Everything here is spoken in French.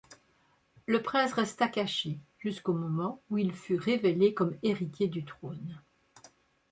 Le prince resta caché, jusqu'au moment où il fut révélé comme héritier du trône.